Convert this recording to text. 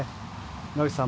村口さん